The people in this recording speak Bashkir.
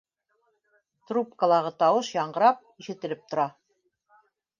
Трубкалағы тауыш яңғырап, ишетелеп тора